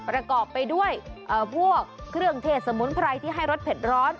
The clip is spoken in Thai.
ประกอบไปด้วยพวกเครื่องเทศสมุนไพรที่ให้รสเผ็ดร้อน